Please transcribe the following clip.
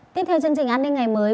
tiếp theo chương trình an ninh ngày mới